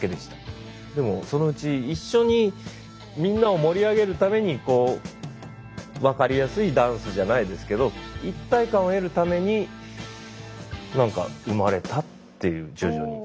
でもそのうち一緒にみんなを盛り上げるためにこう分かりやすいダンスじゃないですけどっていう徐々に。